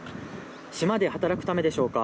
島で働くためでしょうか